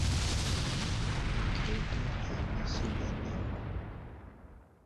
Tie groto havas lian nomon.